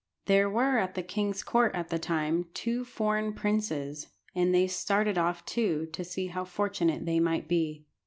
There were at the king's court at that time two foreign princes and they started off too, to see how fortunate they might be.